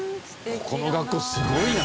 この学校すごいな。